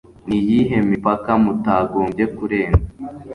ni iyihe mipaka mutagombye kurenga